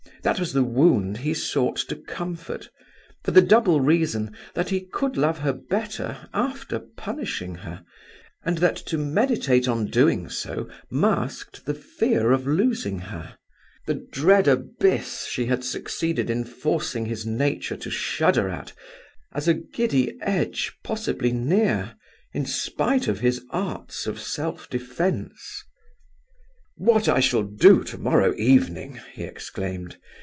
That was the wound he sought to comfort; for the double reason, that he could love her better after punishing her, and that to meditate on doing so masked the fear of losing her the dread abyss she had succeeded in forcing his nature to shudder at as a giddy edge possibly near, in spite of his arts of self defence. "What I shall do to morrow evening!" he exclaimed.